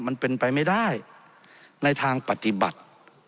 มันเป็นไปไม่ได้ในทางปฏิบัติ